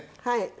はい。